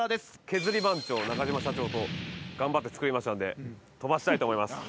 削り番長中嶋社長と頑張って作りましたんで飛ばしたいと思います。